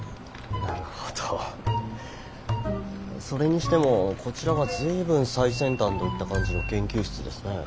それにしてもこちらは随分最先端といった感じの研究室ですね。